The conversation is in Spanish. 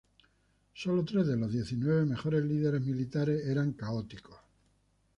Sólo tres de los diecinueve mejores líderes militares eran católicos.